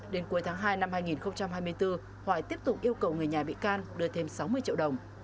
đến cuối tháng hai năm hai nghìn hai mươi bốn hoài tiếp tục yêu cầu người nhà bị can đưa thêm sáu mươi triệu đồng